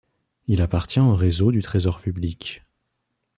Il appartient au réseau du Trésor public.